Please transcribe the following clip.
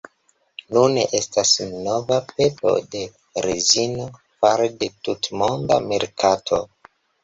Nune estas nova peto de rezino fare de tutmonda merkato.